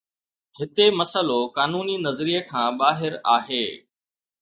هتي مسئلو قانوني نظريي کان ٻاهر آهي